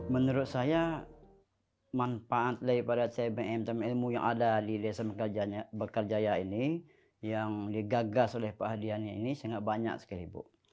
menurut saya manfaat daripada tbm taman ilmu yang ada di desa mekarjaya ini yang digagas oleh perhadian ini sangat banyak sekali